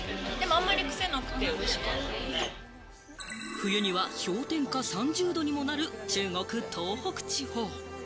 冬には氷点下３０度にもなる中国東北地方。